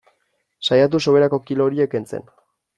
Saiatu soberako kilo horiek kentzen.